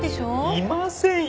いませんよ！